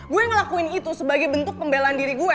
gue yang ngelakuin itu sebagai bentuk pembelaan diri gue